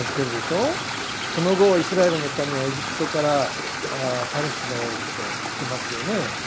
その後イスラエルの民はエジプトからパレスチナへと行きますよね。